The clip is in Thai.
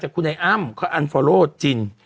แต่คุณไอ้อ้ำก็อันโฟร์โหลดจิน